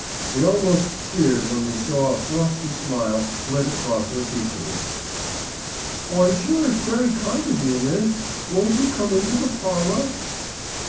We almost cheered when we saw a frosty smile flit across her features. "I'm sure it's very kind of you, miss. Won't you come into the parlour?"